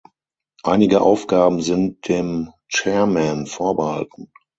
Einige Aufgaben sind dem Chairman vorbehalten.